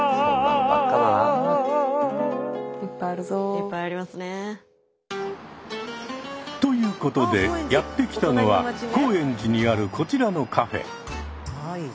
いっぱいありますね。ということでやって来たのは高円寺にあるこちらのカフェ。